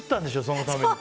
そのために。